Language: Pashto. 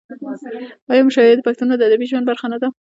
آیا مشاعرې د پښتنو د ادبي ژوند برخه نه ده؟